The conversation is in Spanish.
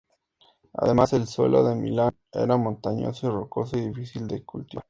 Además, el suelo de Milán era montañoso y rocoso y difícil de cultivar.